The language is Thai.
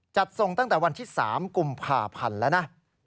จัดส่งตั้งแต่วันที่๓กุมภาพันธ์แล้วนะ